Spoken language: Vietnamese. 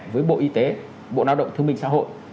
với bộ y tế bộ lao động thương minh xã hội